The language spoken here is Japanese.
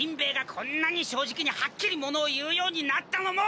ヱがこんなに正直にはっきりものを言うようになったのも。